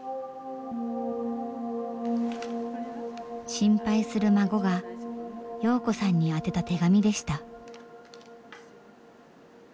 心配する孫が洋子さんに宛てた手紙でした。